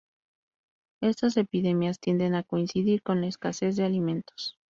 Estas epidemias tienden a coincidir con la escasez de alimentos.